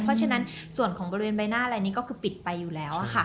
เพราะฉะนั้นส่วนของบริเวณใบหน้าอะไรนี้ก็คือปิดไปอยู่แล้วค่ะ